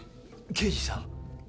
刑事さん。